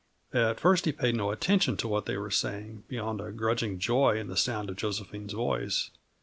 At first he paid no attention to what they were saying, beyond a grudging joy in the sound of Josephine's voice.